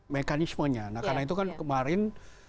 mekanismenya nah karena itu kan kemarin